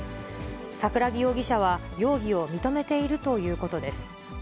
桜木容疑者は容疑を認めているということです。